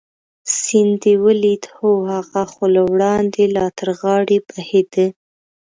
سیند دې ولید؟ هو، هغه خو له وړاندې لا تر غاړې بهېده.